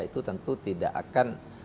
itu tentu tidak akan